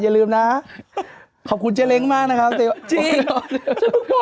อย่าลืมนะครับขอบคุณเจอแรงมากนะครับเต่ววะ